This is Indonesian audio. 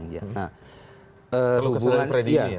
keluh kesah freddy ini ya